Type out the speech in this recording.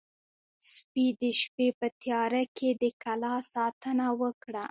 سپي د شپې په تیاره کې د کلا ساتنه وکړه.